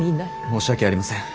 申し訳ありません。